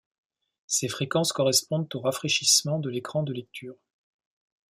Ces fréquences correspondent aux rafraîchissements de l'écran de lecture.